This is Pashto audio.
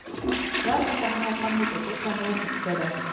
داسې صحنه او خوند مې تر اوسه نه و حس کړی.